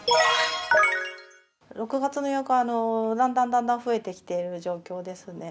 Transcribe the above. ６月の予約はだんだんだんだん増えてきている状況ですね。